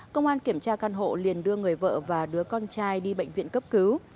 công an kiểm tra căn hộ liền đưa người vợ và đứa con trai đi bệnh viện cấp cứu